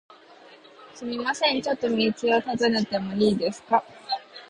すみません、ちょっと道を尋ねてもいいですか？